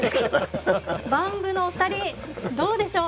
ＢＡＭ部のお二人どうでしょう？